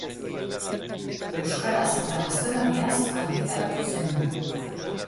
Euskaraz eta gaztelaniaz argitaratu zen.